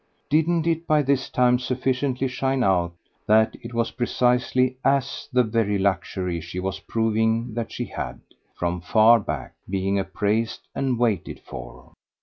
Didn't it by this time sufficiently shine out that it was precisely AS the very luxury she was proving that she had, from far back, been appraised and waited for?